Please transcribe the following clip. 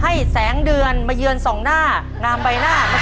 ให้แสงเดือนมาเยือนสองหน้างามใบหน้ามาสู่วงหลัง